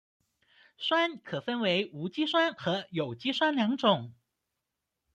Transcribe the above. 酸可分为无机酸和有机酸两种。